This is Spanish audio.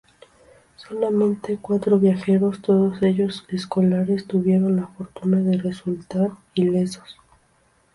Solamente cuatro viajeros, todos ellos escolares, tuvieron la fortuna de resultar ilesos.